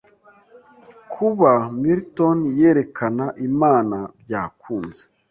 kuba Milton yerekana Imana byakunze